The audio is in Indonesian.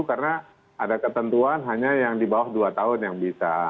karena ada ketentuan hanya yang di bawah dua tahun yang bisa